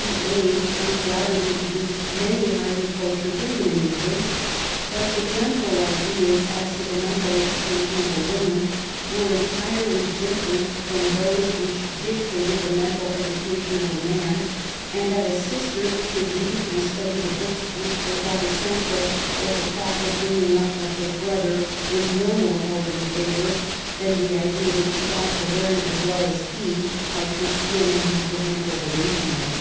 The age undoubt edly produced many highly cultured women in Eng land, but the general ideas as to the mental education of a woman were entirely different from those which dictated the mental education of a man, and that a sister should read and study the books which were thought essential for the proper bringing up of her brother was no more held in favor than the idea that she ought to learn as well as he how to swim and how to handle the rapier.